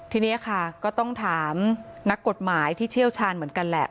ทีนี้ค่ะก็ต้องถามนักกฎหมายที่เชี่ยวชาญเหมือนกันแหละ